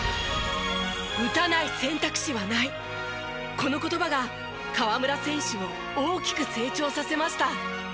この言葉が河村選手を大きく成長させました。